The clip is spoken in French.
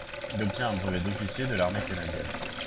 Il obtient un brevet d'officier de l'armée canadienne.